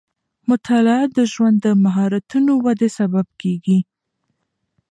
مطالعه د ژوند د مهارتونو ودې سبب کېږي.